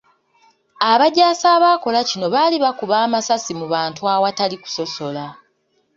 Abajaasi abaakola kino baali bakuba amasasi mu bantu awatali kusosola.